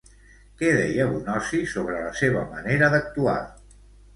Què deia Bonosi sobre la seva manera d'actuar?